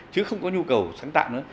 chứ không có nhu cầu sáng tạo nữa